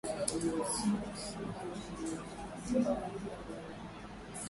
Fimbo lake lilimtega akaanguka